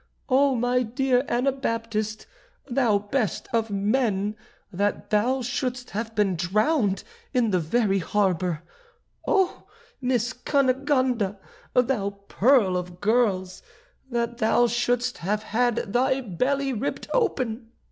Oh, my dear Anabaptist, thou best of men, that thou should'st have been drowned in the very harbour! Oh, Miss Cunegonde, thou pearl of girls! that thou should'st have had thy belly ripped open!"